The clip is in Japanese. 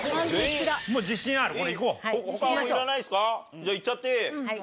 じゃあいっちゃっていい？